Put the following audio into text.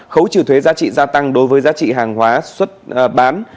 khấu trừ thuế giá trị gia tăng đối với giá trị hàng hóa xuất bán